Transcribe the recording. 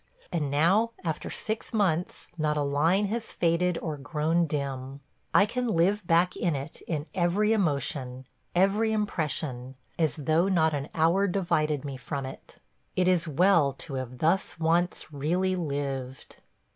... And now, after six months, not a line has faded or grown dim. I can live back in it in every emotion, every impression, as though not an hour divided me from it. ... It is well to have thus once really lived.